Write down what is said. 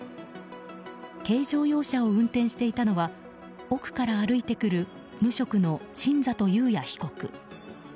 軽乗用車を運転していたのは奥から歩いてくる無職の新里優也被告。